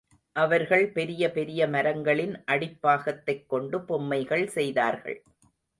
அவர்கள் பெரிய பெரிய மரங்களின் அடிப்பாகத்தைக் கொண்டு பொம்மைகள் செய்தார்கள்.